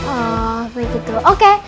oh begitu oke